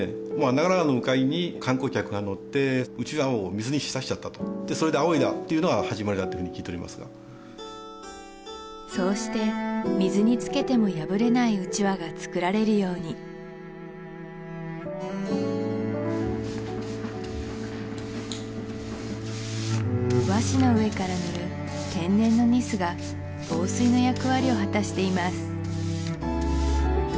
長良の鵜飼に観光客が乗ってうちわを水に浸しちゃったとでそれであおいだっていうのが始まりだというふうに聞いておりますがそうして水につけても破れないうちわが作られるように和紙の上から塗る天然のニスが防水の役割を果たしています